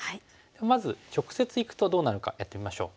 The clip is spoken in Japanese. まず直接いくとどうなるかやってみましょう。